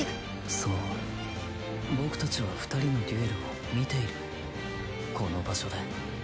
そう僕たちは２人のデュエルを見ているこの場所で。